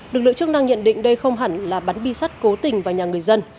được lựa chức đang nhận định đây không hẳn là bắn bi sắt cố tình vào nhà người dân